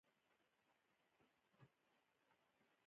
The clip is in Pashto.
ما وویل د لیلا او مجنون ترمنځ فراق مې نه دی خوښ.